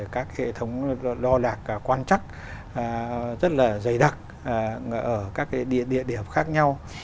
các hệ thống lo lạc quan trắc rất là dày đặc ở các địa điểm khác nhau